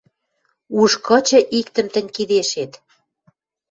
Уж кычы иктӹм тӹнь кидешет